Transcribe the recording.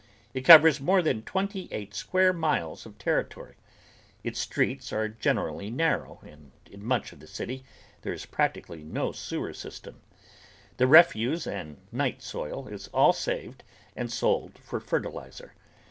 It covers more than twenty eight square miles of territory. Its streets are generally narrow and in much of the city there is practically no sewer system. The refuse and night soil is all saved and sold for fertilizer.